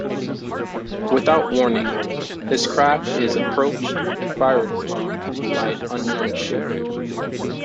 Without warning, his craft is approached and fired upon by an unknown ship.